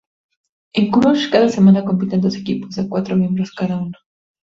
En "Crush", cada semana compiten dos equipos, de cuatro miembros cada uno.